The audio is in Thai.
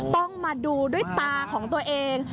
ต้องมาดูด้วยตาของตัวเอง